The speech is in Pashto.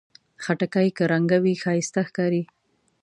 خټکی که رنګه وي، ښایسته ښکاري.